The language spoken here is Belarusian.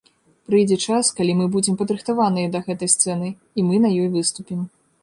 Прыйдзе час, калі мы будзем падрыхтаваныя да гэтай сцэны, і мы на ёй выступім.